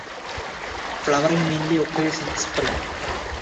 Flowering mainly occurs in spring.